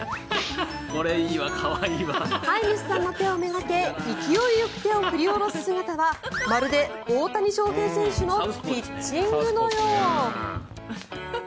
飼い主さんの手をめがけ勢いよく手を振り下ろす姿はまるで大谷翔平選手のピッチングのよう。